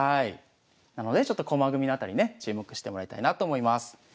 なのでちょっと駒組みのあたりね注目してもらいたいなと思います。